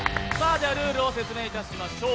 ではルールを説明いたしましょう。